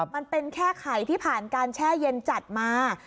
มันเป็นแค่ไข่ที่ผ่านการแช่เย็นจัดมา